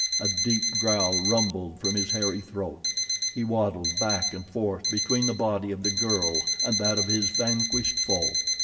A deep growl rumbled from his hairy throat. He waddled back and forth between the body of the girl and that of his vanquished foe.